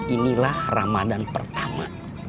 inilah ramadhan pertama